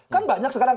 kan banyak sekarang